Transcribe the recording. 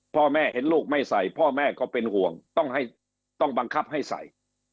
พ่อแม่เห็นลูกไม่ใส่พ่อแม่ก็เป็นห่วงต้องบังคับให้ใส่